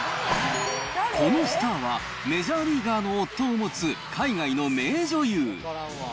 このスターは、メジャーリーガーの夫を持つ、海外の名女優。